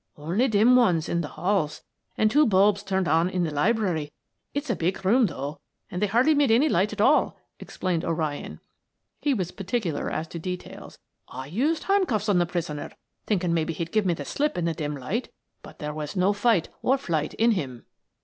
"Only dim ones in the halls and two bulbs turned on in the library; it's a big room though, and they hardly made any light at all," explained O'Ryan; he was particular as to details. "I used handcuffs on the prisoner, thinking maybe he'd give me the slip in the dim light, but there was no fight or flight in him."